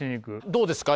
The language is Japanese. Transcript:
どうですか？